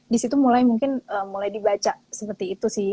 di situ mulai mungkin mulai dibaca seperti itu sih